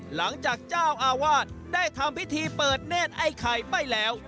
หลังจากเจ้าอาวาสได้ทำพิธีเปิดเนธไอ้ไข่ไปแล้ว